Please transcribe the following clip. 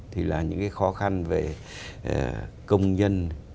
thì là những cái khó khăn về công nhân